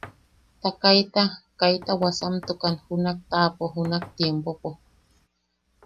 Ta kaita kaita wasamtukan junak taapo junak tiempopo.